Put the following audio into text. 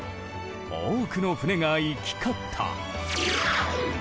多くの舟が行き交った。